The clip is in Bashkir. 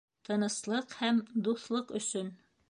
Тыныслыҡ һәм дуҫлыҡ өсөн!